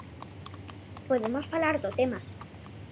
Podemos falar do tema.